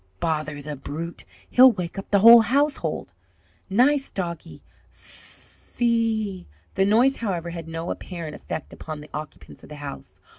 Bother the brute! He'll wake up the whole household! Nice doggie! Phe e " The noise, however, had no apparent effect upon the occupants of the house.